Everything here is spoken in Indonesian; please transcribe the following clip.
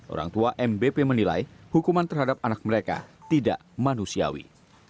orang tua mbp menilai hukuman terhadap anak mereka tidak manusiawi